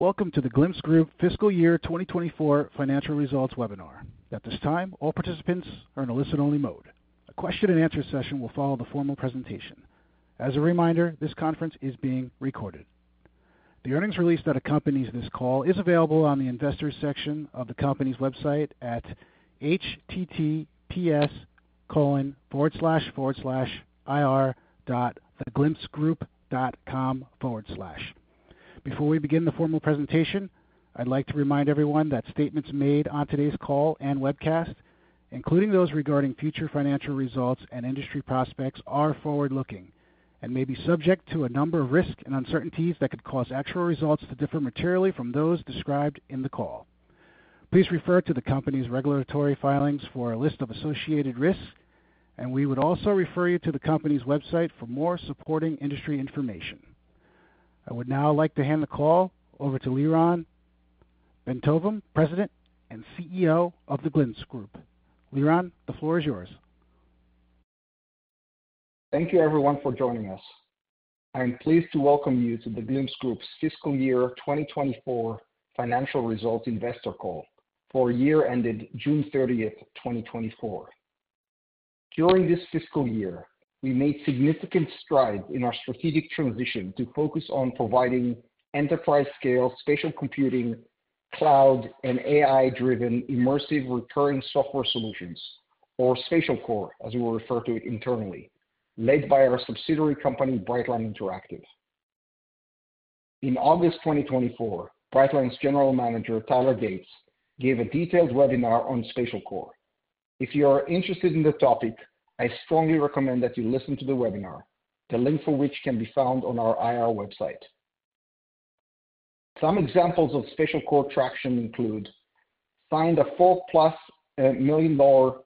Welcome to the Glimpse Group Fiscal Year 2024 Financial Results Webinar. At this time, all participants are in a listen-only mode. A question and answer session will follow the formal presentation. As a reminder, this conference is being recorded. The earnings release that accompanies this call is available on the investors section of the company's website at https://ir.theglimpsegroup.com/. Before we begin the formal presentation, I'd like to remind everyone that statements made on today's call and webcast, including those regarding future financial results and industry prospects, are forward-looking and may be subject to a number of risks and uncertainties that could cause actual results to differ materially from those described in the call. Please refer to the company's regulatory filings for a list of associated risks, and we would also refer you to the company's website for more supporting industry information. I would now like to hand the call over to Lyron Bentovim, President and CEO of The Glimpse Group. Lyron, the floor is yours. Thank you everyone for joining us. I am pleased to welcome you to The Glimpse Group's Fiscal Year 2024 Financial Results Investor Call for year ended June 30th, 2024. During this fiscal year, we made significant strides in our strategic transition to focus on providing enterprise-scale spatial computing, cloud, and AI-driven immersive recurring software solutions, or SpatialCore, as we refer to it internally, led by our subsidiary company, Brightline Interactive. In August 2024, Brightline's General Manager, Tyler Gates, gave a detailed webinar on SpatialCore. If you are interested in the topic, I strongly recommend that you listen to the webinar, the link for which can be found on our IR website. Some examples of SpatialCore traction include: signed a $4+ million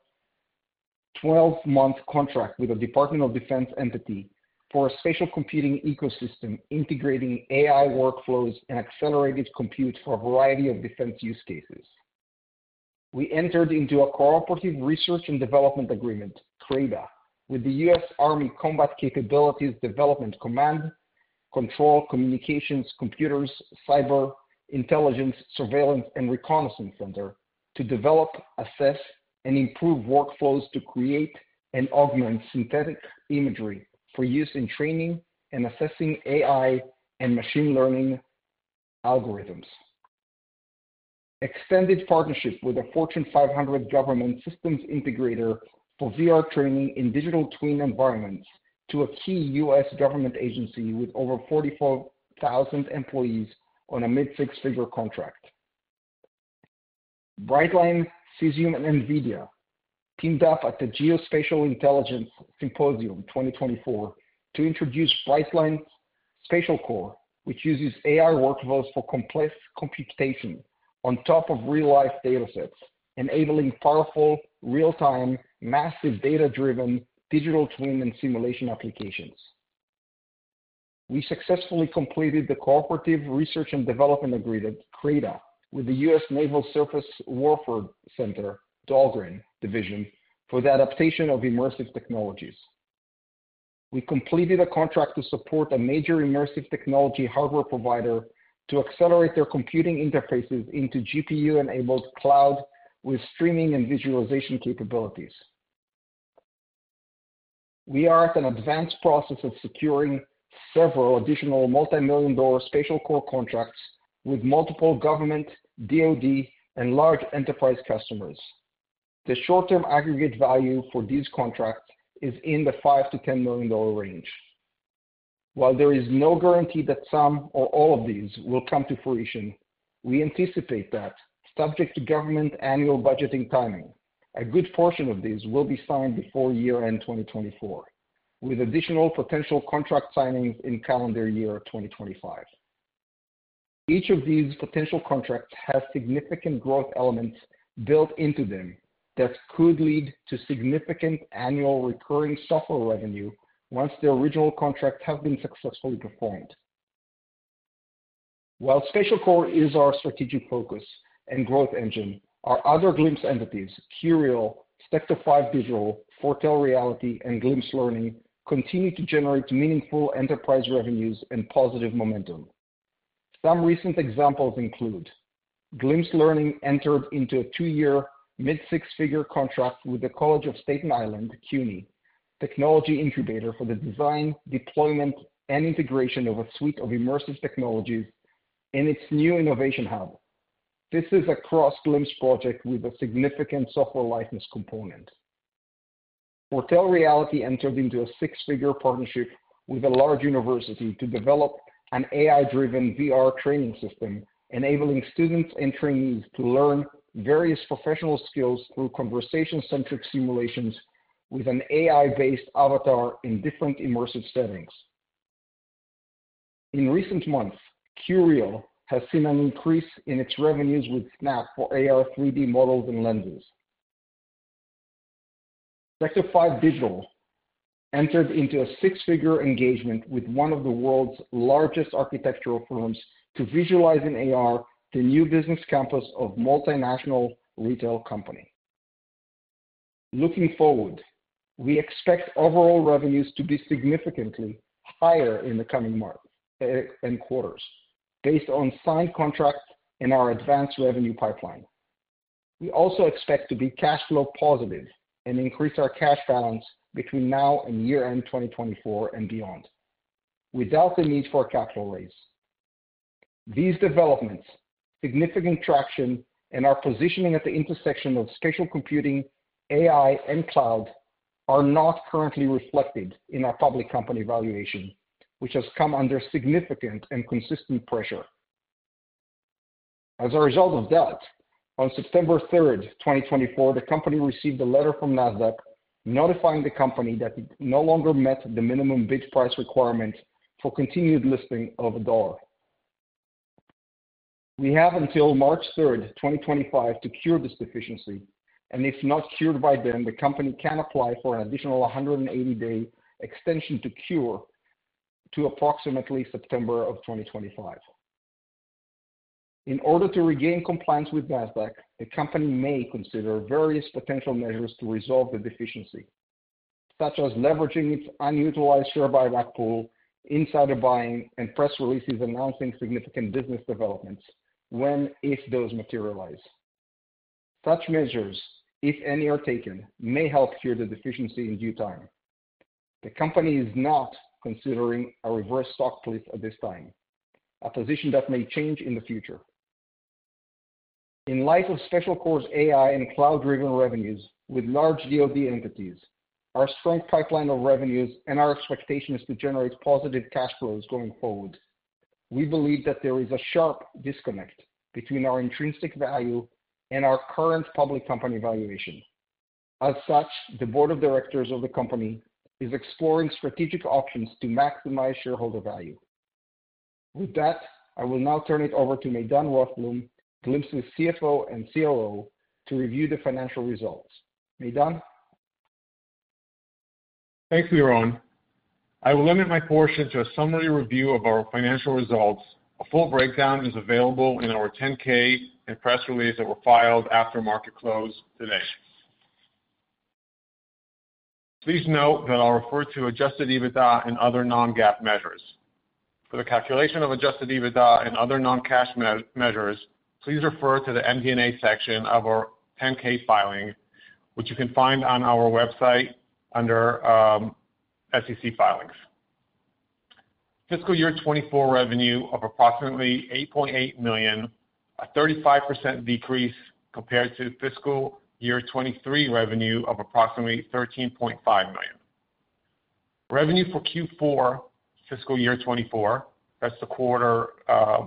twelve-month contract with the Department of Defense entity for a spatial computing ecosystem, integrating AI workflows and accelerated compute for a variety of defense use cases. We entered into a Cooperative Research and Development Agreement, CRADA, with the US Army Combat Capabilities Development Command, Control, Communications, Computers, Cyber, Intelligence, Surveillance, and Reconnaissance Center to develop, assess, and improve workflows to create and augment synthetic imagery for use in training and assessing AI and machine learning algorithms. Extended partnerships with a Fortune 500 government systems integrator for VR training in digital twin environments to a key US government agency with over forty-four thousand employees on a mid-six-figure contract. Brightline, Cesium, and NVIDIA teamed up at the Geospatial Intelligence Symposium 2024 to introduce Brightline SpatialCore, which uses AI workflows for complex computation on top of real-life datasets, enabling powerful, real-time, massive data-driven digital twin and simulation applications. We successfully completed the Cooperative Research and Development Agreement, CRADA, with the US Naval Surface Warfare Center, Dahlgren Division, for the adaptation of immersive technologies. We completed a contract to support a major immersive technology hardware provider to accelerate their computing interfaces into GPU-enabled cloud with streaming and visualization capabilities. We are at an advanced process of securing several additional multi-million-dollar SpatialCore contracts with multiple government, DoD, and large enterprise customers. The short-term aggregate value for these contracts is in the $5-$10 million range. While there is no guarantee that some or all of these will come to fruition, we anticipate that subject to government annual budgeting timing, a good portion of these will be signed before year-end 2024, with additional potential contract signings in calendar year 2025. Each of these potential contracts has significant growth elements built into them that could lead to significant annual recurring software revenue once the original contract has been successfully performed. While SpatialCore is our strategic focus and growth engine, our other Glimpse entities, Curio, Sector 5 Digital, Fortell Reality, and Glimpse Learning, continue to generate meaningful enterprise revenues and positive momentum. Some recent examples include Glimpse Learning entered into a two-year, mid-six-figure contract with the College of Staten Island CUNY Technology Incubator for the design, deployment, and integration of a suite of immersive technologies in its new innovation hub. This is a cross Glimpse project with a significant software license component. Foretell Reality entered into a six-figure partnership with a large university to develop an AI-driven VR training system, enabling students and trainees to learn various professional skills through conversation-centric simulations with an AI-based avatar in different immersive settings. In recent months, Curio has seen an increase in its revenues with Snap for AR 3D models and lenses. Sector 5 Digital entered into a six-figure engagement with one of the world's largest architectural firms to visualize in AR the new business campus of multinational retail company. Looking forward, we expect overall revenues to be significantly higher in the coming months and quarters based on signed contracts and our advanced revenue pipeline. We also expect to be cash flow positive and increase our cash balance between now and year-end 2024 and beyond, without the need for a capital raise. These developments, significant traction, and our positioning at the intersection of spatial computing, AI, and cloud, are not currently reflected in our public company valuation, which has come under significant and consistent pressure. As a result of that, on September 3, 2024, the company received a letter from NASDAQ notifying the company that it no longer met the minimum bid price requirement for continued listing of $1. We have until March 3, 2025, to cure this deficiency, and if not cured by then, the company can apply for an additional 180-day extension to cure to approximately September of 2025. In order to regain compliance with NASDAQ, the company may consider various potential measures to resolve the deficiency, such as leveraging its unutilized share buyback pool, insider buying, and press releases announcing significant business developments when, if those materialize. Such measures, if any, are taken, may help cure the deficiency in due time. The company is not considering a reverse stock split at this time, a position that may change in the future. In light of SpatialCore's AI and cloud-driven revenues with large DoD entities, our strong pipeline of revenues and our expectations to generate positive cash flows going forward, we believe that there is a sharp disconnect between our intrinsic value and our current public company valuation. As such, the board of directors of the company is exploring strategic options to maximize shareholder value. With that, I will now turn it over to Maydan Rothblum, Glimpse's CFO and COO, to review the financial results. Maydan? Thanks, Lyron. I will limit my portion to a summary review of our financial results. A full breakdown is available in our 10-K and press release that were filed after market close today. Please note that I'll refer to adjusted EBITDA and other non-GAAP measures. For the calculation of adjusted EBITDA and other non-cash measures, please refer to the MD&A section of our 10-K filing, which you can find on our website under SEC Filings. Fiscal year 2024 revenue of approximately $8.8 million, a 35% decrease compared to fiscal year 2023 revenue of approximately $13.5 million. Revenue for Q4 fiscal year 2024, that's the quarter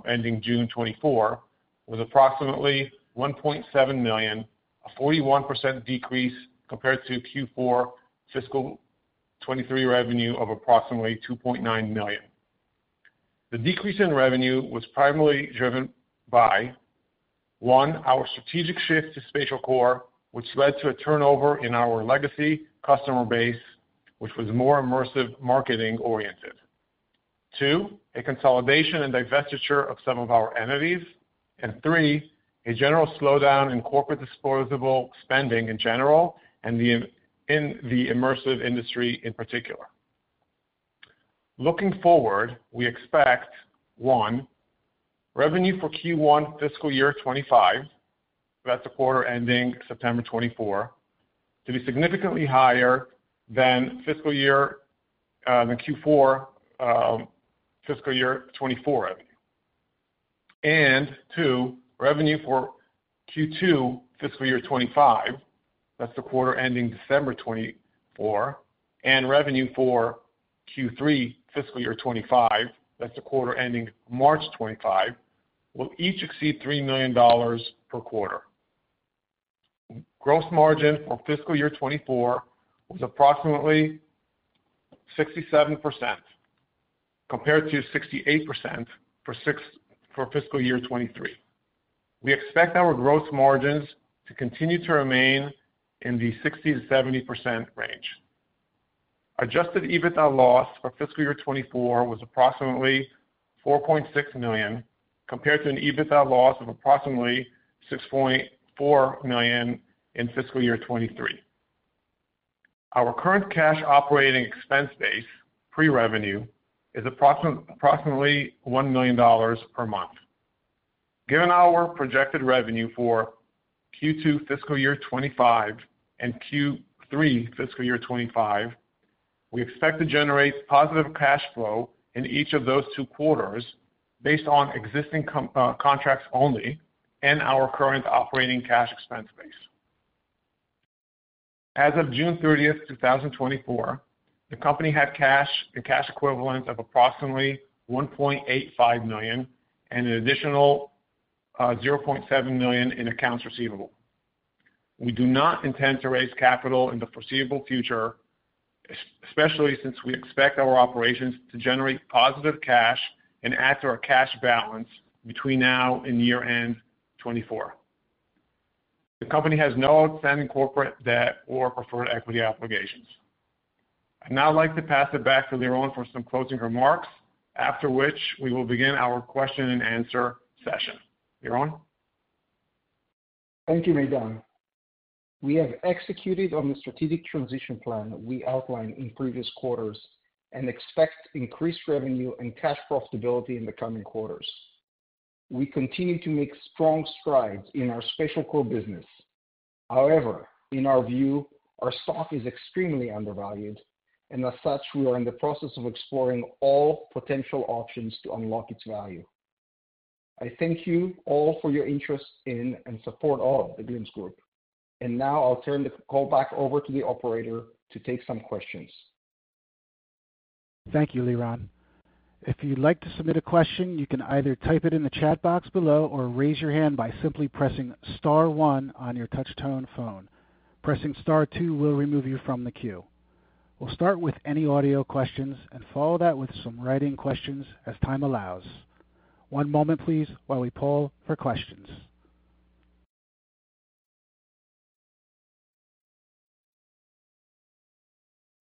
ending June 2024, was approximately $1.7 million, a 41% decrease compared to Q4 fiscal 2023 revenue of approximately $2.9 million. The decrease in revenue was primarily driven by, one, our strategic shift to SpatialCore, which led to a turnover in our legacy customer base, which was more immersive marketing-oriented. Two, a consolidation and divestiture of some of our entities. And three, a general slowdown in corporate disposable spending in general and in the immersive industry in particular. Looking forward, we expect, one, revenue for Q1 fiscal year 2025, that's the quarter ending September 2024, to be significantly higher than Q4 fiscal year 2024 revenue. And two, revenue for Q2 fiscal year 2025, that's the quarter ending December 2024, and revenue for Q3 fiscal year 2025, that's the quarter ending March 2025, will each exceed $3 million per quarter. Gross margin for fiscal year 2024 was approximately 67%, compared to 68% for fiscal year 2023. We expect our gross margins to continue to remain in the 60%-70% range. Adjusted EBITDA loss for fiscal year 2024 was approximately $4.6 million, compared to an EBITDA loss of approximately $6.4 million in fiscal year 2023. Our current cash operating expense base, pre-revenue, is approximately $1 million per month. Given our projected revenue for Q2 fiscal year 2025 and Q3 fiscal year 2025, we expect to generate positive cash flow in each of those two quarters based on existing contracts only and our current operating cash expense base. As of June 30, 2024, the company had cash and cash equivalents of approximately $1.85 million and an additional $0.7 million in accounts receivable. We do not intend to raise capital in the foreseeable future, especially since we expect our operations to generate positive cash and add to our cash balance between now and year-end 2024. The company has no outstanding corporate debt or preferred equity obligations.... I'd now like to pass it back to Lyron for some closing remarks, after which we will begin our question and answer session. Lyron? Thank you, Maydan. We have executed on the strategic transition plan we outlined in previous quarters and expect increased revenue and cash profitability in the coming quarters. We continue to make strong strides in our SpatialCore business. However, in our view, our stock is extremely undervalued, and as such, we are in the process of exploring all potential options to unlock its value. I thank you all for your interest in and support of the Glimpse Group, and now I'll turn the call back over to the operator to take some questions. Thank you, Lyron. If you'd like to submit a question, you can either type it in the chat box below or raise your hand by simply pressing star one on your touchtone phone. Pressing star two will remove you from the queue. We'll start with any audio questions and follow that with some writing questions as time allows. One moment, please, while we poll for questions.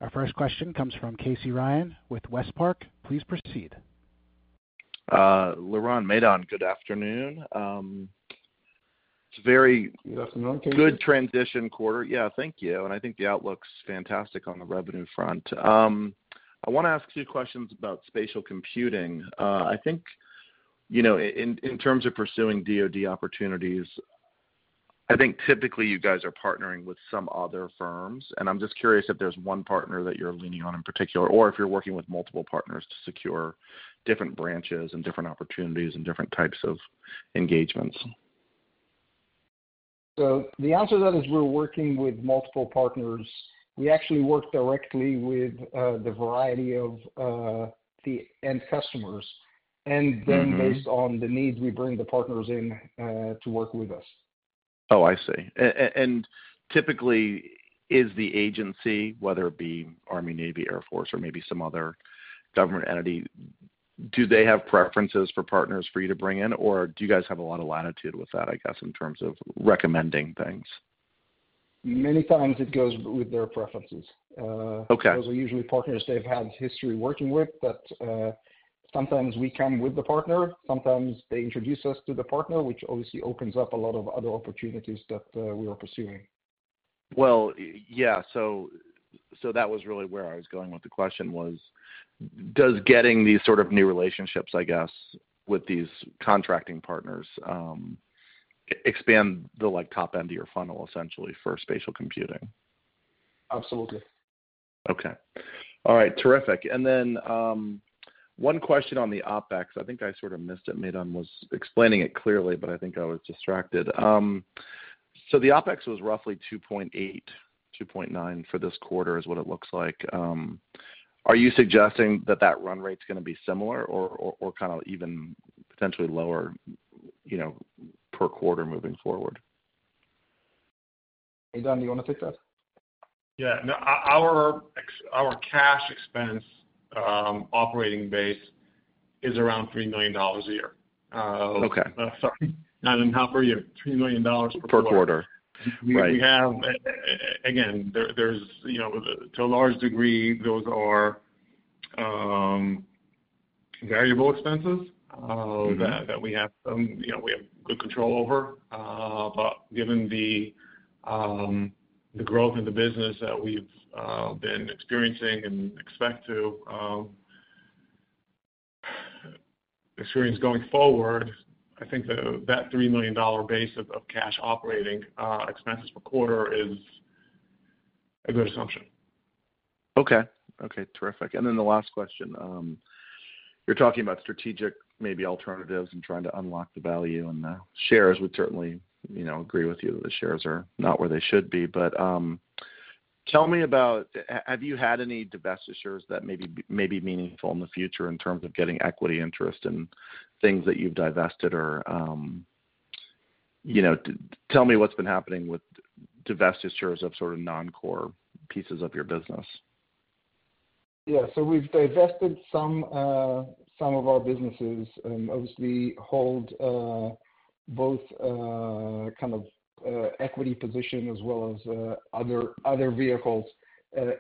Our first question comes from Casey Ryan with Westpark. Please proceed. Lyron, Maydan, good afternoon. Good afternoon, Casey. Yeah, thank you, and I think the outlook's fantastic on the revenue front. I wanna ask two questions about spatial computing. I think, you know, in terms of pursuing DoD opportunities, I think typically you guys are partnering with some other firms, and I'm just curious if there's one partner that you're leaning on in particular, or if you're working with multiple partners to secure different branches and different opportunities and different types of engagements. So the answer to that is we're working with multiple partners. We actually work directly with the variety of the end customers. Mm-hmm. And then, based on the needs, we bring the partners in to work with us. Oh, I see. And typically, is the agency, whether it be Army, Navy, Air Force, or maybe some other government entity, do they have preferences for partners for you to bring in, or do you guys have a lot of latitude with that, I guess, in terms of recommending things? Many times it goes with their preferences. Okay. Those are usually partners they've had history working with, but sometimes we come with the partner, sometimes they introduce us to the partner, which obviously opens up a lot of other opportunities that we are pursuing. Yeah, so that was really where I was going with the question. Does getting these sort of new relationships, I guess, with these contracting partners expand the, like, top end of your funnel, essentially, for spatial computing? Absolutely. Okay. All right, terrific. And then, one question on the OpEx. I think I sort of missed it. Maydan was explaining it clearly, but I think I was distracted. So the OpEx was roughly 2.8-2.9 for this quarter is what it looks like. Are you suggesting that that run rate's gonna be similar or kind of even potentially lower, you know, per quarter moving forward? Maydan, do you wanna take that? Yeah. No, our cash expense, operating base is around $3 million a year. Okay. Sorry, not per year, $3 million per quarter. Per quarter. Right. We have, again, there, there's, you know, to a large degree, those are variable expenses- Mm-hmm... that we have, you know, we have good control over. But given the growth in the business that we've been experiencing and expect to experience going forward, I think that $3 million base of cash operating expenses per quarter is a good assumption. Okay. Okay, terrific. And then the last question, you're talking about strategic, maybe alternatives and trying to unlock the value, and the shares would certainly, you know, agree with you that the shares are not where they should be. But, tell me about, have you had any divestitures that may be meaningful in the future in terms of getting equity interest in things that you've divested? Or, you know, tell me what's been happening with divestitures of sort of non-core pieces of your business. Yeah, so we've divested some of our businesses, obviously hold both, kind of, equity position as well as, other vehicles,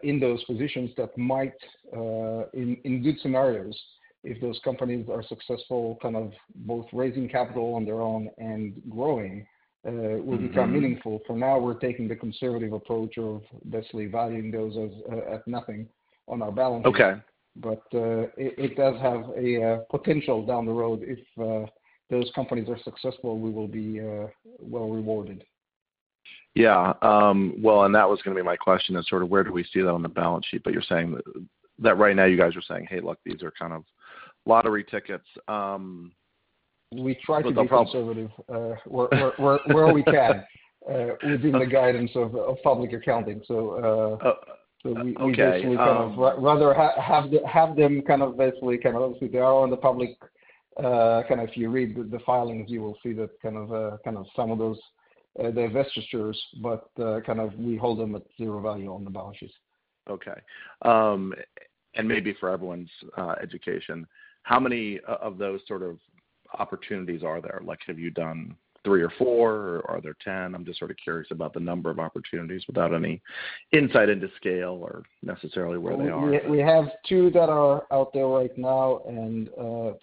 in those positions that might, in good scenarios, if those companies are successful, kind of both raising capital on their own and growing. Mm-hmm... will become meaningful. For now, we're taking the conservative approach of basically valuing those as at nothing on our balance sheet. Okay. But, it does have a potential down the road. If those companies are successful, we will be well-rewarded. Yeah, well, and that was gonna be my question is sort of where do we see that on the balance sheet? But you're saying that right now you guys are saying, "Hey, look, these are kind of lottery tickets." with no problem. We try to be conservative where we can within the guidance of public accounting. So, Okay. So we basically kind of rather have them kind of basically, kind of, obviously, they are on the public. If you read the filings, you will see that kind of some of those divestitures, but kind of we hold them at zero value on the balance sheets. Okay, and maybe for everyone's education, how many of those sort of opportunities are there? Like, have you done three or four, or are there 10? I'm just sort of curious about the number of opportunities without any insight into scale or necessarily where they are. We have two that are out there right now and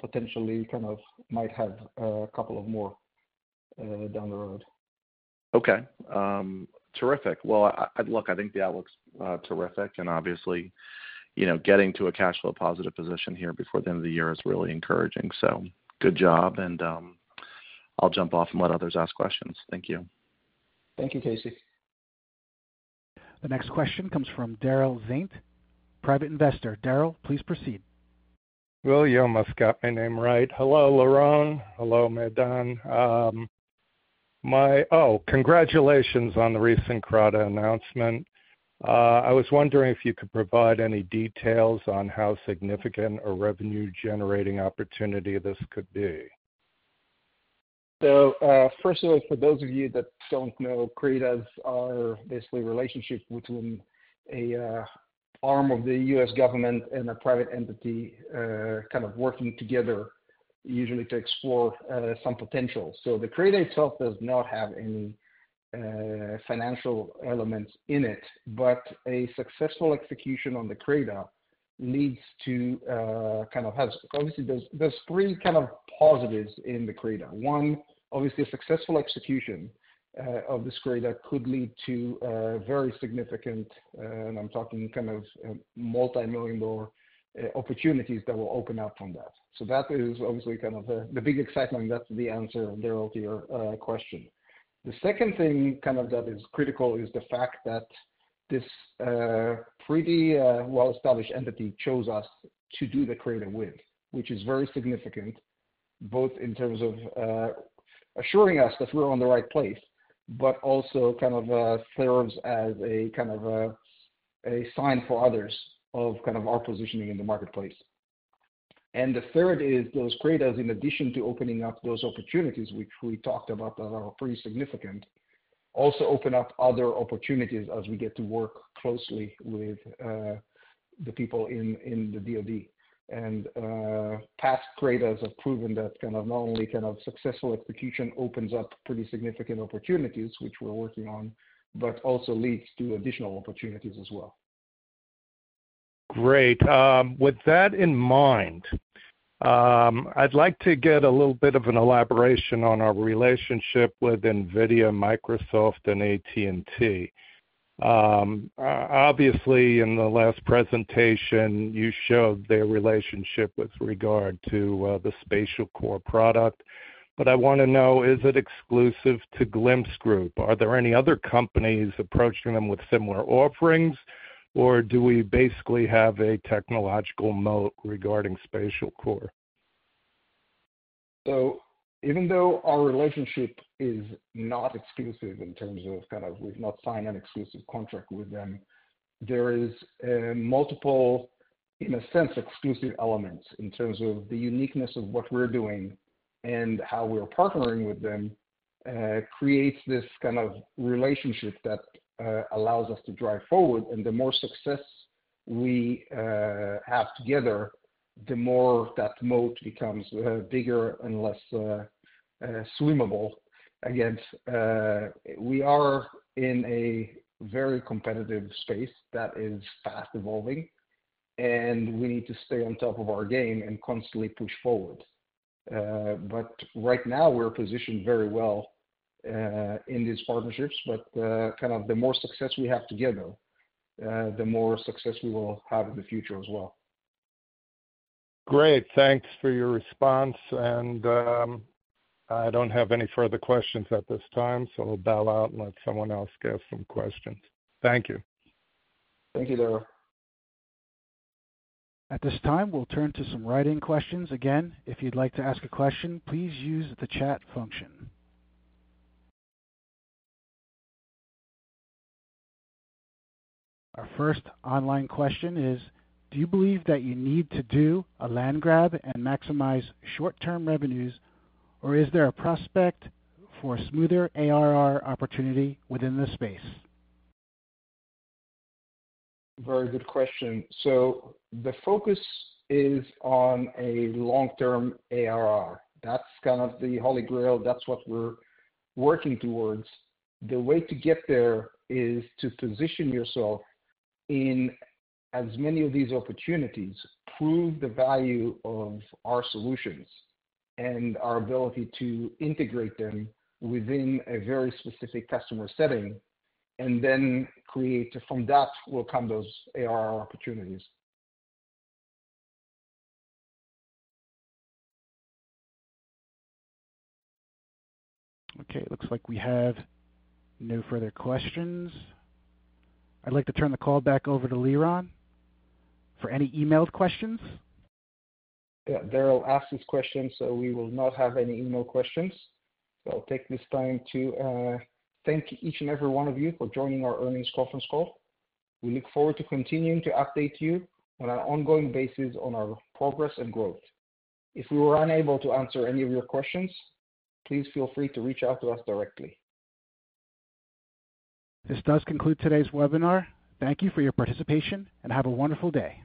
potentially kind of might have a couple of more down the road. Okay. Terrific. Well, look, I think the outlook's terrific, and obviously, you know, getting to a cash flow positive position here before the end of the year is really encouraging. Good job, and I'll jump off and let others ask questions. Thank you. Thank you, Casey. The next question comes from Daryl Zink, private investor. Daryl, please proceed. You almost got my name right. Hello, Lyron. Hello, Maydan. Oh, congratulations on the recent CRADA announcement. I was wondering if you could provide any details on how significant a revenue-generating opportunity this could be. Firstly, for those of you that don't know, CRADAs are basically a relationship between an arm of the U.S. government and a private entity, kind of working together, usually to explore some potential. The CRADA itself does not have any financial elements in it, but a successful execution on the CRADA leads to... Obviously, there's three kind of positives in the CRADA. One, obviously, a successful execution of this CRADA could lead to a very significant, and I'm talking kind of multi-million-dollar opportunities that will open up from that. That is obviously kind of the big excitement. That's the answer, Daryl, to your question. The second thing, kind of, that is critical is the fact that this pretty well-established entity chose us to do the CRADA with, which is very significant, both in terms of assuring us that we're on the right place, but also kind of serves as a kind of a sign for others of kind of our positioning in the marketplace. And the third is those CRADAs, in addition to opening up those opportunities, which we talked about, are pretty significant, also open up other opportunities as we get to work closely with the people in the DoD. And past CRADAs have proven that kind of not only kind of successful execution opens up pretty significant opportunities, which we're working on, but also leads to additional opportunities as well. Great. With that in mind, I'd like to get a little bit of an elaboration on our relationship with NVIDIA, Microsoft, and AT&T. Obviously, in the last presentation, you showed their relationship with regard to the SpatialCore product, but I wanna know, is it exclusive to Glimpse Group? Are there any other companies approaching them with similar offerings, or do we basically have a technological moat regarding SpatialCore? So even though our relationship is not exclusive in terms of kind of, we've not signed an exclusive contract with them, there is multiple, in a sense, exclusive elements in terms of the uniqueness of what we're doing and how we're partnering with them creates this kind of relationship that allows us to drive forward. And the more success we have together, the more that moat becomes bigger and less swimmable. Again, we are in a very competitive space that is fast evolving, and we need to stay on top of our game and constantly push forward. But right now we're positioned very well in these partnerships, but kind of the more success we have together, the more success we will have in the future as well. Great. Thanks for your response, and, I don't have any further questions at this time, so I'll bow out and let someone else get some questions. Thank you. Thank you, Daryl. At this time, we'll turn to some written questions. Again, if you'd like to ask a question, please use the chat function. Our first online question is: Do you believe that you need to do a land grab and maximize short-term revenues, or is there a prospect for smoother ARR opportunity within this space? Very good question. So the focus is on a long-term ARR. That's kind of the holy grail. That's what we're working towards. The way to get there is to position yourself in as many of these opportunities, prove the value of our solutions and our ability to integrate them within a very specific customer setting, and then create, from that, will come those ARR opportunities. Okay, it looks like we have no further questions. I'd like to turn the call back over to Lyron for any emailed questions. Yeah, Daryl asked his question, so we will not have any emailed questions, so I'll take this time to thank each and every one of you for joining our earnings conference call. We look forward to continuing to update you on an ongoing basis on our progress and growth. If we were unable to answer any of your questions, please feel free to reach out to us directly. This does conclude today's webinar. Thank you for your participation, and have a wonderful day.